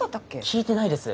聞いてないです。